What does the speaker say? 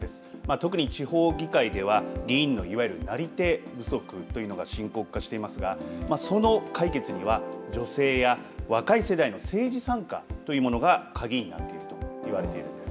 特に地方議会では議員のいわゆる、なり手不足が深刻化していますが、その解決には、女性や若い世代の政治参加というものが鍵になっていると言われているんです。